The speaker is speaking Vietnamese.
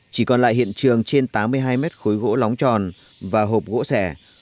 chỉ còn lại hiện trường trên tám mươi hai mét khối gỗ lóng tròn và hộp gỗ sẻ